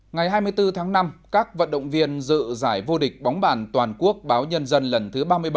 ngày hai mươi bốn tháng năm các vận động viên dự giải vô địch bóng bàn toàn quốc báo nhân dân lần thứ ba mươi bảy